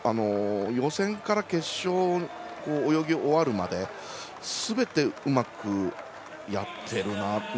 予選から決勝を泳ぎ終わるまですべてうまくやってるなっていう。